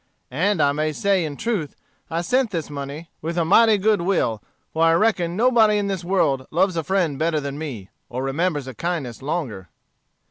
And I may say, in truth, I sent this money with a mighty good will, for I reckon nobody in this world loves a friend better than me, or remembers a kindness longer."